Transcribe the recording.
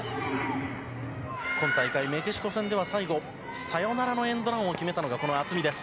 今大会、メキシコ戦では最後、サヨナラのエンドランを決めたのがこの渥美です。